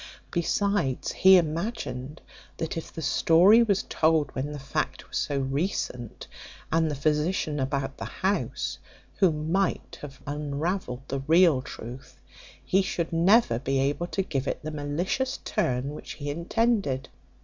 Besides, he imagined that if the story was told when the fact was so recent, and the physician about the house, who might have unravelled the real truth, he should never be able to give it the malicious turn which he intended.